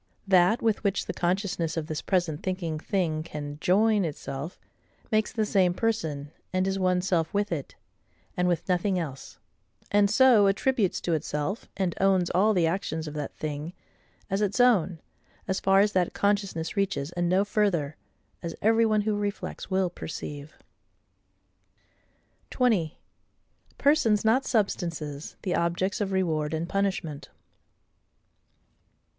That with which the consciousness of this present thinking thing CAN join itself, makes the same person, and is one self with it, and with nothing else; and so attributes to itself, and owns all the actions of that thing, as its own, as far as that consciousness reaches, and no further; as every one who reflects will perceive. 20. Persons, not Substances, the Objects of Reward and Punishment.